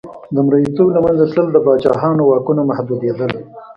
د مریتوب له منځه تلل د پاچاهانو واکونو محدودېدل.